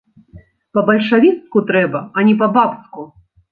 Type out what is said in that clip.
Па-бальшавіцку трэба, а не па-бабску.